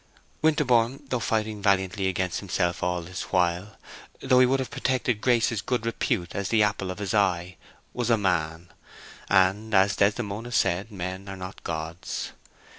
Winterborne, though fighting valiantly against himself all this while—though he would have protected Grace's good repute as the apple of his eye—was a man; and, as Desdemona said, men are not gods.